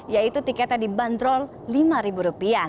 yaitu tiketnya dibanderol lima rupiah